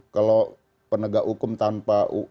kalau penegak hukum tanpa